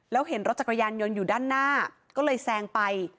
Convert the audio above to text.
แล้วเห็นรถจักรยานยนต์อยู่ด้านหน้าก็เลยแซงไป